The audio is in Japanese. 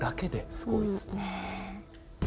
すごいですね。